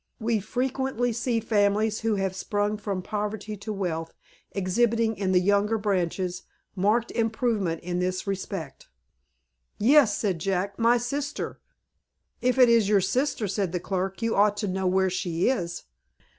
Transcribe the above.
We frequently see families who have sprung from poverty to wealth exhibiting, in the younger branches, marked improvement in this respect. "Yes;" said Jack, "my sister." "If it is your sister," said the clerk, "you ought to know where she is."